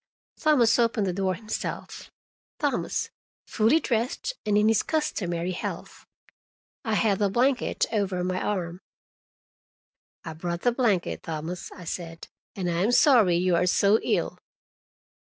Thomas opened the door himself—Thomas, fully dressed and in his customary health. I had the blanket over my arm. "I brought the blanket, Thomas," I said; "I am sorry you are so ill."